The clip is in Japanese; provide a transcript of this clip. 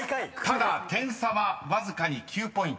ただ点差はわずかに９ポイント］